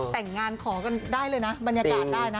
แต่งงานขอกันได้เลยนะบรรยากาศได้นะ